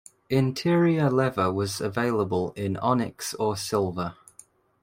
Interior leather was available in Onyx or Silver.